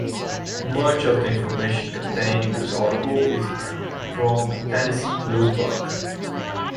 Much of the information contained in this article is from the "Tennessee Blue Book".